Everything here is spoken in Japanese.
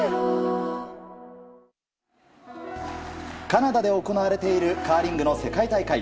カナダで行われているカーリングの世界大会。